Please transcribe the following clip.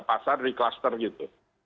pasar di cluster gitu